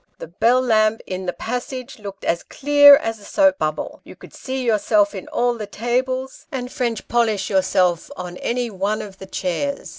The bell lamp in the passage looked as clear as a soap bubble ; you could see yourself in all the tables, and French polish yourself on any one of the chairs.